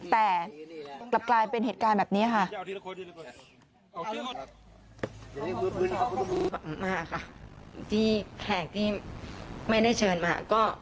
แต่กลับกลายเป็นเหตุการณ์แบบนี้ค่ะ